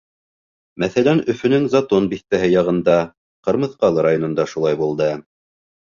Мәҫәлән, Өфөнөң Затон биҫтәһе яғында, Ҡырмыҫҡалы районында шулай булды.